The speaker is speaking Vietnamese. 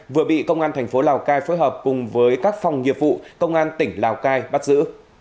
vừa bị công an thành phố lào cai phối hợp cùng với các phòng nghiệp vụ công an tỉnh lào cai bắt giữ